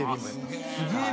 すげえ。